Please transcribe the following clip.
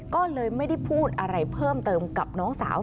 ก็เลยไม่ได้พูดอะไรเพิ่มเติมกับน้องสาว